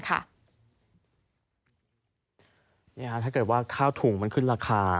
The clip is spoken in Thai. ถ้าเกิดว่าข้าวถุงมันขึ้นราคา